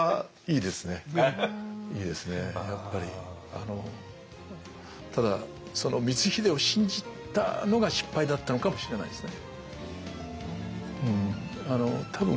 あのただその光秀を信じたのが失敗だったのかもしれないですね。